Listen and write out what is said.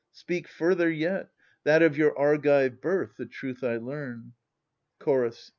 Speak further yet, That of your Argive birth the truth I learn. Chorus.